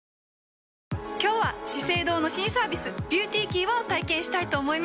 今日は「資生堂」の新サービス「ＢｅａｕｔｙＫｅｙ」を体験したいと思います。